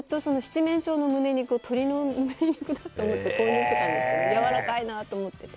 ずっと七面鳥の胸肉を鶏の胸肉だと思って購入してたんですけどやわらかいなと思って。